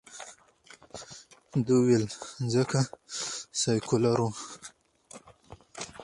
ده ویل، ځکه سیکولر ؤ.